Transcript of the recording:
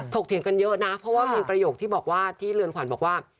เถียงกันเยอะนะเพราะว่ามีประโยคที่บอกว่าที่เรือนขวัญบอกว่า